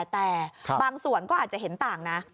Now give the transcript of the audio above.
แต่บางส่วนก็อาจจะเห็นต่างนะ